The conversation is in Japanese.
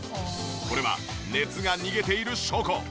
これは熱が逃げている証拠。